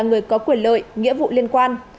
người có quyền lợi nghĩa vụ liên quan